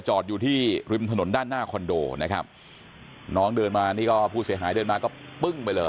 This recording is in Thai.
อยู่ที่ริมถนนด้านหน้าคอนโดนะครับน้องเดินมานี่ก็ผู้เสียหายเดินมาก็ปึ้งไปเลย